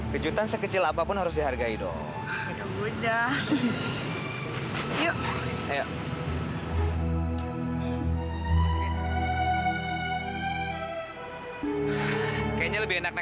kejutan sekecil apapun harus dihargai dong yuk